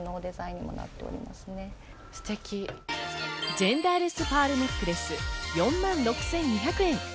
ジェンダーレスパールネックレス、４万６２００円。